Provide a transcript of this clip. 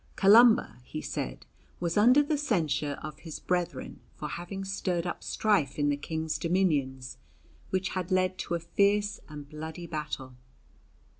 Columba, he said, was under the censure of his brethren for having stirred up strife in the King's dominions, which had led to a fierce and bloody battle.